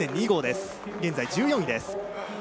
現在１４位です。